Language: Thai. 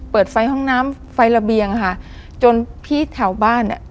เปิดไฟห้องน้ำไฟระเบียงค่ะจนพี่แถวบ้านเนี้ย